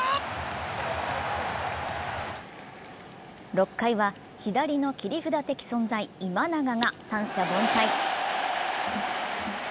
６回は左の切り札的存在今永が三者凡退。